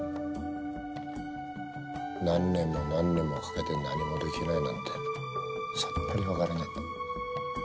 何年も何年もかけて何も出来ないなんてさっぱりわからない。